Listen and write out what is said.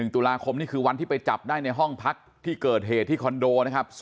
ตุลาคมนี่คือวันที่ไปจับได้ในห้องพักที่เกิดเหตุที่คอนโดนะครับ